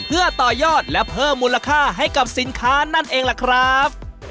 เพื่อต่อยอดและเพิ่มมูลค่าให้กับสินค้านั่นเองล่ะครับ